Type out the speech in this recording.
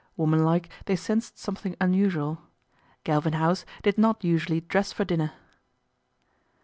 Woman like they sensed something un usual. Galvin House did not usually dress for dinner.